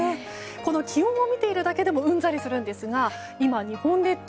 この気温を見ているだけでもうんざりするんですが今、日本列島